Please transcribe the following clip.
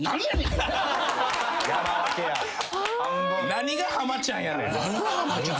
何が浜ちゃんやねん。